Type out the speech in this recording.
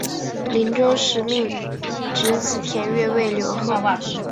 临终时命侄子田悦为留后。